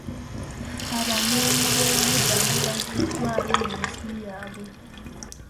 Abanoonyiboobubudamu bazziddwayo mu nsi yaabwe.